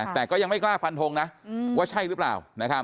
แต่ก็ยังไม่กล้าฟันทงนะว่าใช่หรือเปล่า